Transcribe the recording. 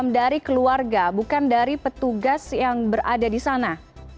dari keluarga bukan dari petugas yang berada di sana